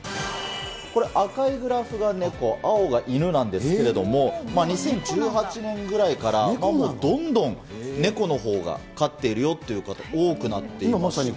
これ、赤いグラフがネコ、青が犬なんですけれども、２０１８年ぐらいからどんどん、ネコのほうが飼っているっていう方、多くなっていまして。